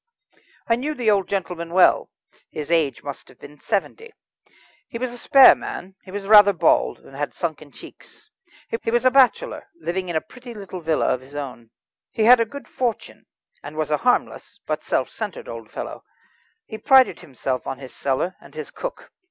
I knew the old gentleman well. His age must have been seventy. He was a spare man, he was rather bald, and had sunken cheeks. He was a bachelor, living in a pretty little villa of his own. He had a good fortune, and was a harmless, but self centred, old fellow. He prided himself on his cellar and his cook.